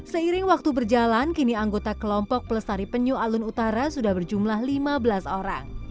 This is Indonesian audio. seiring waktu berjalan kini anggota kelompok pelestari penyu alun utara sudah berjumlah lima belas orang